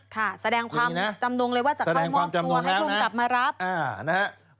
ค่ะแสดงความจำนวงเลยว่าจะเข้ามอบตัวให้ทุ่มจับมารับ